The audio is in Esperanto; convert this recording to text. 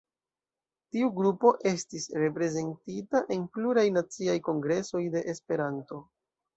Tiu grupo estis reprezentita en pluraj naciaj kongresoj de Esperanto.